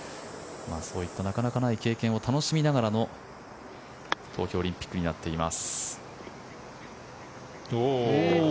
そういったなかなかない経験を楽しみながらの東京オリンピックになっています。